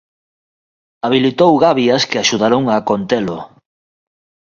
Habilitou gabias que axudaron a contelo.